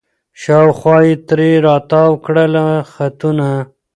شاوخوا یې ترې را تاوکړله خطونه